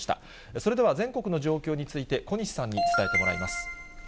それでは、全国の状況について、小西さんに伝えてもらいます。